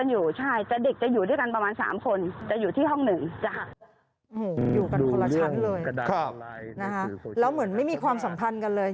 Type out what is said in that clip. อยู่กันคนละชั้นเลยแล้วเหมือนไม่มีความสัมพันธ์กันเลย